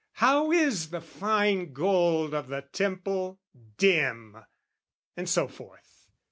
"How is the fine gold of the Temple dim!" And so forth.